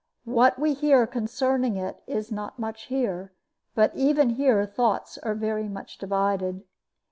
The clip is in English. What we hear concerning it is not much here; but even here thoughts are very much divided.